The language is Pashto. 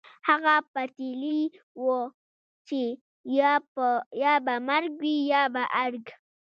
هغه پتېيلې وه چې يا به مرګ وي يا ارګ.